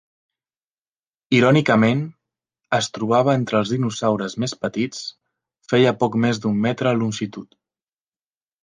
Irònicament, es trobava entre els dinosaures més petits, feia poc més d'un metre de longitud.